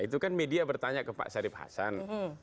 itu kan media bertanya ke pak sarip hasan